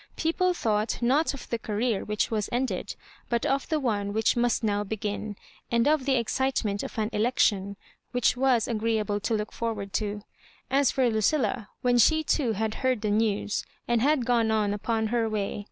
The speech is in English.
People thought not of the^^career which was ended, but of the one which must now begin, and of the excitement of an election, which was agreeable to look forward to. As for Lucilla, when she too had heard the news, and had gone on upon her way